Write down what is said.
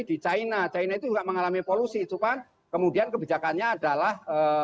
di china china itu enggak mengalami polusi cuman kemudian kebijakannya adalah